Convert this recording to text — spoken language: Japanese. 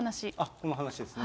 この話ですね。